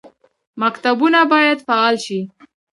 مکتبونه باید فعال شي